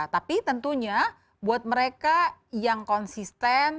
tapi tentunya buat mereka yang konsisten